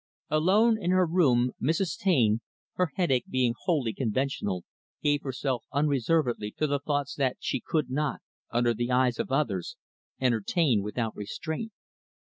Alone in her room, Mrs. Taine her headache being wholly conventional gave herself unreservedly to the thoughts that she could not, under the eyes of others, entertain without restraint.